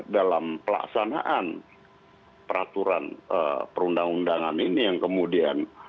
dalam pelaksanaan peraturan perundang undangan ini yang kemudian